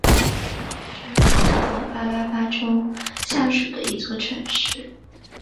西尔泉是美国阿拉巴马州下属的一座城市。